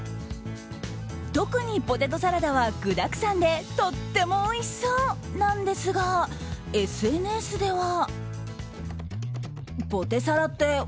特にポテトサラダは具だくさんでとってもおいしそうなんですがＳＮＳでは。